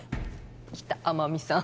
来た天海さん